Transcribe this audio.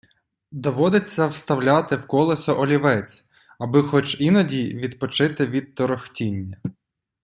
Доводиться вставляти в колесо олівець, аби хоч іноді відпочити від торохтіння.